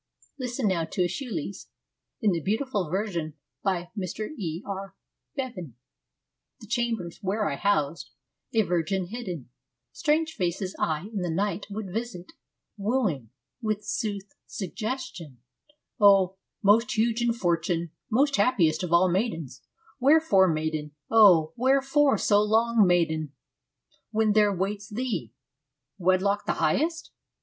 Listen now to iEschylus — in the beautiful version by Mr. E. R. Bevan : The chambers, where I housed, a virgin hidden, Strange faces aye in the night would visit, wooing With sooth suggestion :' Oh, most huge in fortune, Most happiest of all maidens — wherefore maiden, Oh, wherefore so long maiden, when there waits thee Wedlock the highest